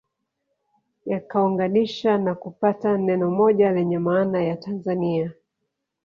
Yakaunganisha na kupata neno moja lenye maana ya Tanzania